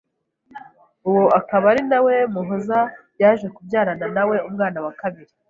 uwo akaba ari nawe Muhoza yaje kubyarana nawe umwana wa kabiri.